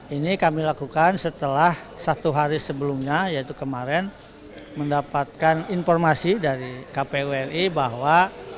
ini kami lakukan setelah satu hari sebelumnya yaitu kemarin mendapatkan informasi dari kpu ri bahwa